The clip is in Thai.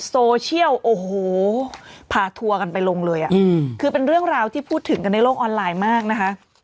โซเชียลโอ้โหพาทัวร์กันไปลงเลยอ่ะคือเป็นเรื่องราวที่พูดถึงกันในโลกออนไลน์มากนะคะ